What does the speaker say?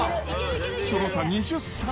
その差２０皿。